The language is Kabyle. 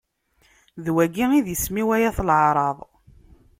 D wagi i d isem-iw ay at leɛraḍ.